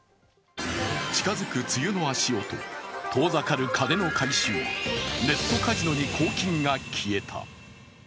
近づく梅雨の足音遠ざかる金の回収ネットカジノに公金が消えた。